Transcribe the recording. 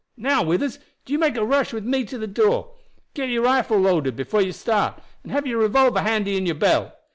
"Now, Withers, do you make a rush with me to the door. Get your rifle loaded before you start, and have your revolver handy in your belt.